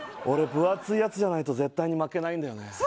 俺分厚いやつじゃないと絶対に巻けないんだよね。